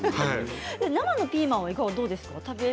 生のピーマンはどうですか。